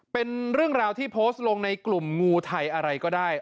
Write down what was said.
เป็นเรื่องราวที่โพสต์ลงในกลุ่มงูไทยอะไรก็ได้